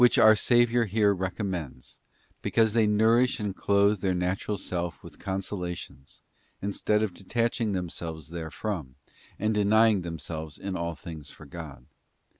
BOO our Saviour here recommends, because they nourish and clothe their natural self with consolations, instead of de taching themselves therefrom, and denying themselves in all things for God.